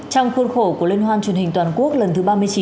trong khuôn khổ của liên hoan truyền hình toàn quốc lần thứ ba mươi chín